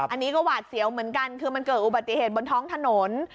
อันนี้ก็หวาดเสียวเหมือนกันคือมันเกิดอุบัติเหตุบนท้องถนน